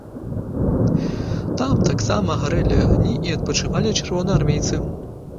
Там таксама гарэлі агні і адпачывалі чырвонаармейцы.